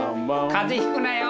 風邪引くなよ！